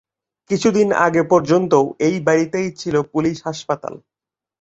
কিছু দিন আগে পর্যন্তও এই বাড়িতেই ছিল পুলিশ হাসপাতাল।